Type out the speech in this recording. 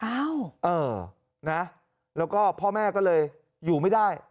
เออนะแล้วก็พ่อแม่ก็เลยอยู่ไม่ได้